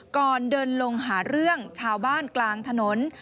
ก่อนเดินลงหาเรื่องชาวบ้านกลางถนน